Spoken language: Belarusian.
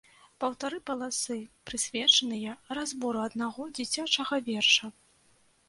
Паўтары паласы, прысвечаныя разбору аднаго дзіцячага верша!